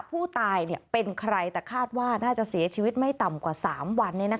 ผู้ตายเป็นใครแต่คาดว่าน่าจะเสียชีวิตไม่ต่ำกว่า๓วัน